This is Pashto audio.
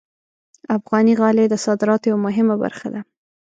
افغاني غالۍ د صادراتو یوه مهمه برخه ده.